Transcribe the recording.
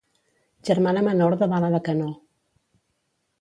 Germana menor de Bala de Canó.